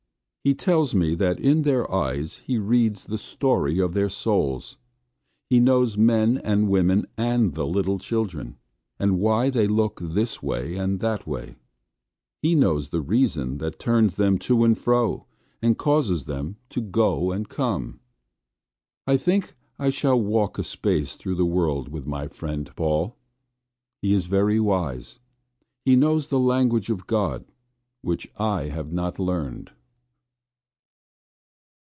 He tells me that in their eyes he reads the story of their souls. He knows men and women and the little children, and why they look this way and that way. He knows the reasons that turn them to and fro and cause them to go and come. I think I shall walk a space through the world with my friend Paul. He is very wise, he knows the language of God which I have not learned.